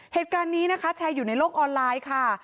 เหตุการณ์นี้นะคะแชร์อยู่ในโลกออนไลน์ค่ะ